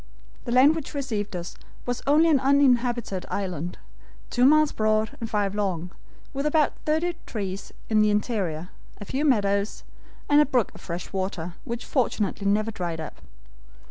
"The land which received us was only an uninhabited island, two miles broad and five long, with about thirty trees in the interior, a few meadows, and a brook of fresh water, which fortunately never dried up.